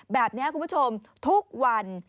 แบบนี้คุณผู้ชมทุกวัน